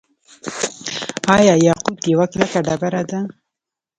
آیا یاقوت یوه کلکه ډبره ده؟